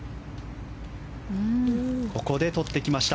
ここでとってきました。